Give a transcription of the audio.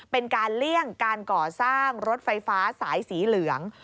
เลี่ยงการก่อสร้างรถไฟฟ้าสายสีเหลือง